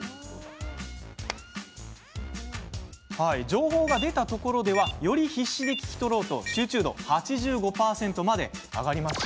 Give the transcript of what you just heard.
情報が出たところではより必死で聞き取ろうと集中度は８５％まで上がりました。